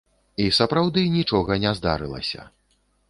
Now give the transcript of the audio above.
І сапраўды, нічога не здаралася.